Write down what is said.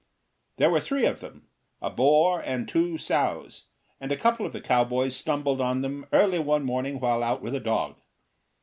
There were three of them, a boar and two sows, and a couple of the cowboys stumbled on them early one morning while out with a dog.